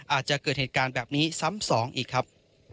อาจจะเกิดเหตุการณ์แบบนี้ซ้ำสองอีกครับ